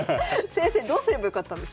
先生どうすればよかったんですかじゃあ。